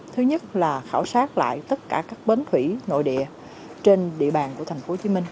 thứ nhất là khảo sát lại tất cả các bến thủy nội địa trên địa bàn của tp hcm